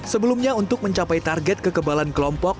sebelumnya untuk mencapai target kekebalan kelompok